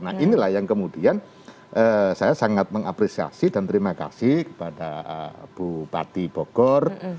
nah inilah yang kemudian saya sangat mengapresiasi dan terima kasih kepada bupati bogor